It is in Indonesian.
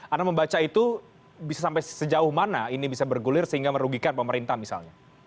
anda membaca itu bisa sampai sejauh mana ini bisa bergulir sehingga merugikan pemerintah misalnya